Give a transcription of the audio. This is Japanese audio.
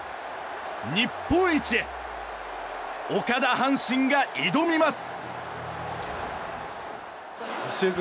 日本一へ、岡田阪神が挑みます！